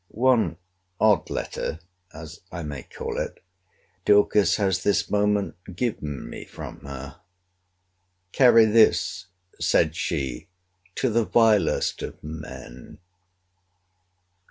One odd letter, as I may call it, Dorcas has this moment given me from her—Carry this, said she, to the vilest of men.